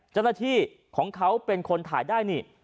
เจ้าหน้าที่ของเขาเป็นคนถ่ายได้นี่